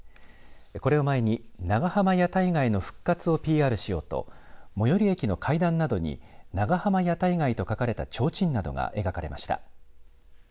これを前に長浜屋台街の復活をＰＲしようと最寄り駅の階段などに長浜屋台街と書かれたちょうちんなどが描かれました。